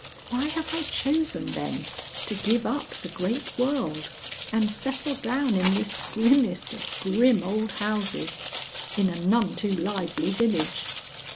Why have I chosen, then, to give up the great world and settle down in this grimmest of grim old houses in a none too lively village?